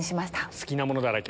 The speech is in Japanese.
好きなものだらけ。